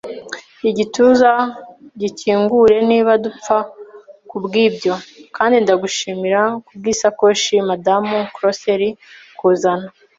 igituza gikingure, niba dupfa kubwibyo. Kandi ndagushimira kubwisakoshi, Madamu Crossley, kuzana